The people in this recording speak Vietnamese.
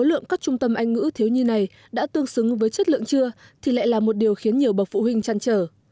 những trung tâm anh ngữ thiếu như này đã tương xứng với chất lượng chưa thì lại là một điều khiến nhiều bậc phụ huynh chăn trở